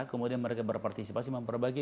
kemudian mereka berpartisipasi memperbagi